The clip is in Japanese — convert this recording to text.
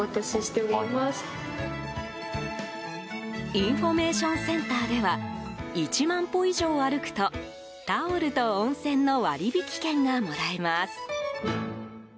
インフォメーションセンターでは１万歩以上歩くとタオルと温泉の割引券がもらえます。